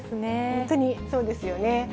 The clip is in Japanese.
本当にそうですよね。